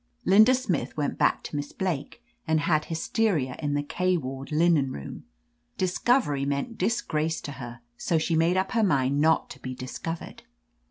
Linda Smith went back to Miss Blake, and had hys teria in the K ward linen room. "Discovery meant disgrace to her, so she made up her mind not to be discovered.